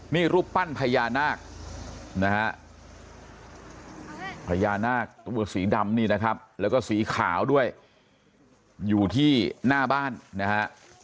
นี่รูปปั้นพญานาคนะฮะพญานาคตัวสีดำนี่นะครับแล้วก็สีขาวด้วยอยู่ที่หน้าบ้านนะฮะ